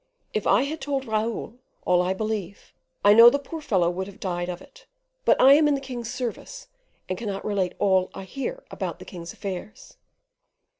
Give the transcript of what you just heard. If I had told Raoul all I believe, I know the poor fellow would have died of it; but I am in the king's service, and cannot relate all I hear about the king's affairs.